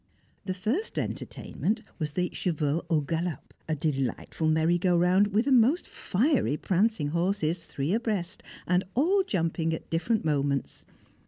The first entertainment was the Chevaux au Galop, a delightful merry go round with the most fiery prancing horses, three abreast, and all jumping at different moments.